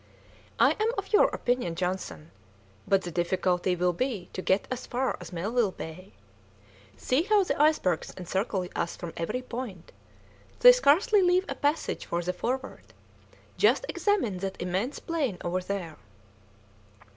"I am of your opinion, Johnson, but the difficulty will be to get as far as Melville Bay. See how the icebergs encircle us from every point! They scarcely leave a passage for the Forward. Just examine that immense plain over there."